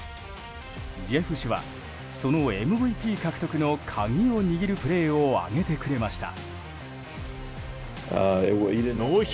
ジェフ氏は、そのＭＶＰ獲得の鍵を握るプレーを挙げてくれました。